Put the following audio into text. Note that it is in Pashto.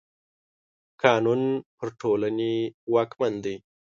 قانون پر ټولني واکمن دی.